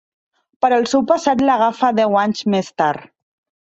Però el seu passat l'agafa deu anys més tard.